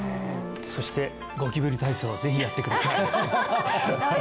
そしてゴキブリ体操ぜひやってくださいハハハハハ